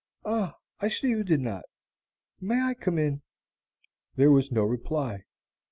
Ah, I see you did not. May I come in?" There was no reply.